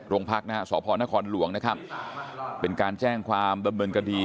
โรงพักนะฮะสพนครหลวงนะครับเป็นการแจ้งความบำเนินคดี